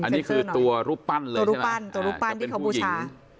อันนี้คือตัวรูปปั้นเลยตัวรูปปั้นตัวรูปปั้นที่เขาบูชา